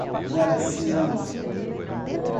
Guaraciama